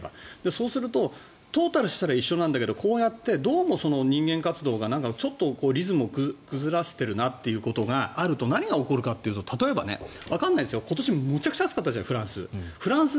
そうするとトータルしたら一緒なんだけどこうやってどうも人間活動がちょっとリズムを崩してるなってことがあって何が起こるかというとわからないですが今年、めちゃくちゃ暑かったじゃないですかフランス。